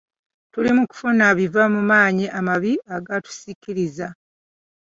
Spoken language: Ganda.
Tuli mu kufuna biva mu maanyi amabi agatusikiriza.